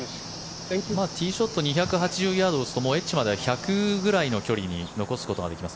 ティーショット２８０ヤード打つとエッジまでは１００ヤードぐらいの距離に残すことができます。